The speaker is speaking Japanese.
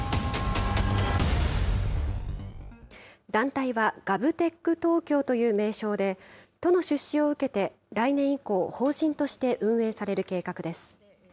団体はＧｏｖＴｅｃｈ東京という名称で、都の出資を受けて、来年以降、法人として運営される計画です。